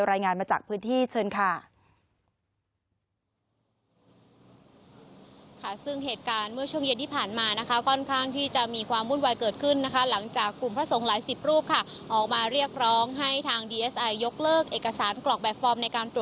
รายงานมาจากพื้นที่เชิญค่ะ